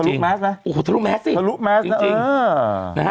ทะลุแมสนะทะลุแมสสิทะลุแมสนะจริง